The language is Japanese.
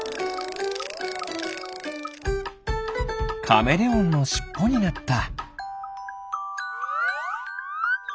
カメレオンのしっぽになった。